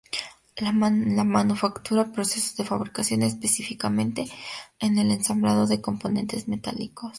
En la manufactura y procesos de fabricación, específicamente, en el ensamblado de componentes metálicos.